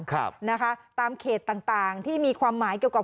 ครับนะคะตามเขตต่างต่างที่มีความหมายเกี่ยวกับ